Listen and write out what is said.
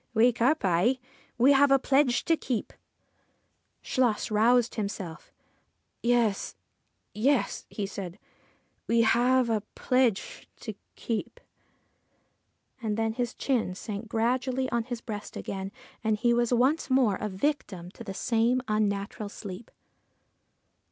' Wake up I We have a pledge to keep.' Chluas roused himself. 'Yes, yes,' he said; 'we have a pledge 76 QUEEN OF THE MANY COLOURED BEDCHAMBER to keep.' And then his chin sank gradually on his breast again, and he was once more a victim to the same unnatural sleep.